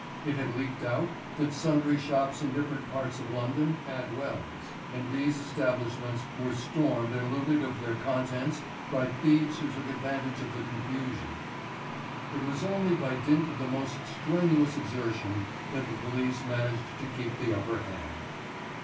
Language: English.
It had leaked out that sundry shops in different parts of London had wells, and these establishments were stormed and looted of their contents by thieves who took advantage of the confusion. It was only by dint of the most strenuous exertion that the police managed to keep the upper hand.